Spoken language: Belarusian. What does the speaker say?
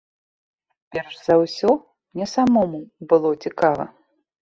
Перш за ўсё, мне самому было цікава.